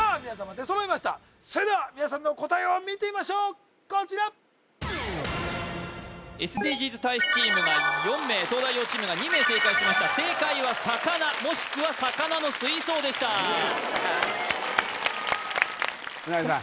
出揃いましたそれでは皆さんの答えを見てみましょうこちらＳＤＧｓ大使チームが４名東大王チームが２名正解しました正解は魚もしくは魚の水槽でした宇内さん